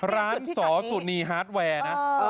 ร้านสสุนีฮาร์ดแวร์นะ